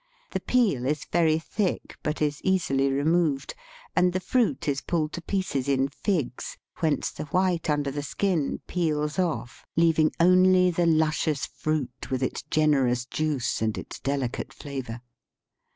The peel is very thick, but is easily removed, and the fruit is pulled to pieces in figs, whence the white under the skin peels off, leaving only the luscious fruit with its generous juice and its delicate flavour.